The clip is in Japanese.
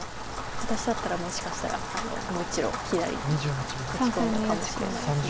私だったらもしかしたらもう１路左に打ち込んだかもしれないです。